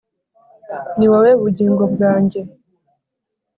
Ni wowe bugingo bwanjye